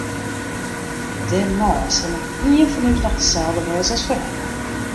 Dêrnei sil net ien fan ús noch deselde wêze as foarhinne.